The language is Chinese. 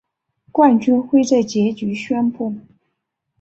冠军会在结局宣布。